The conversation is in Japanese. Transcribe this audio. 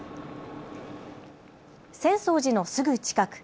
浅草寺のすぐ近く。